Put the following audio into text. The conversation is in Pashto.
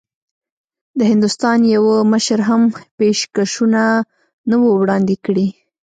د هندوستان یوه مشر هم پېشکشونه نه وو وړاندي کړي.